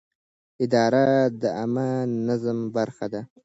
اداره د عامه نظم برخه ده.